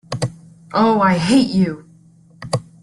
Oh, I hate you!